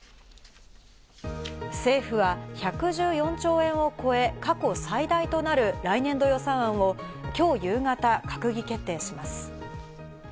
政府は１１４兆円を超え過去最大となる来年度予算案を今日夕方、閣議決定します。